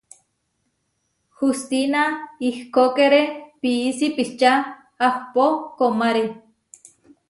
Hustina ihkókere pií sipičá ahpó komáre.